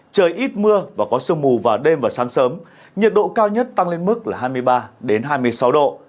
trời ít mưa và có sương mù vào đêm và sáng sớm nhiệt độ cao nhất tăng lên mức là hai mươi ba hai mươi sáu độ